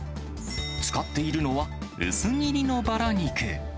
使っているのは薄切りのバラ肉。